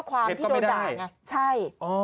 ไม่อยากเห็นข้อความที่โดด่าใช่